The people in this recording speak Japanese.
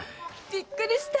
びっくりした！